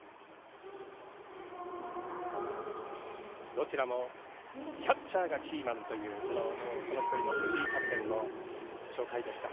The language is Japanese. どちらもキャッチャーがキーマンというその１人の辻井キャプテンの紹介でした。